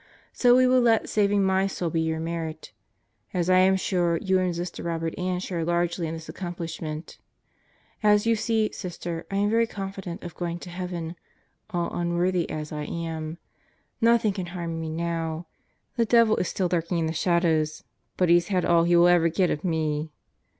So we will let saving my soul be your merit. As I am sure you and Sister Robert Ann share largely in this accom plishment. As you see, Sister, I am very confident of going to heaven all unworthy as I am. Nothing can harm me now. The devil is still lurking in the shadows, but he's had all he will ever get of me.